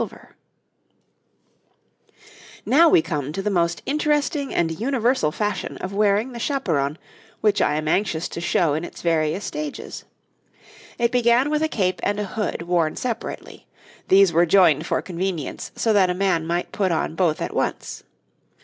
[Illustration: {Five types of head wear}] Now we come to the most interesting and universal fashion of wearing the chaperon, which I am anxious to show in its various stages. It began with a cape and a hood worn separately; these were joined for convenience so that a man might put on both at once.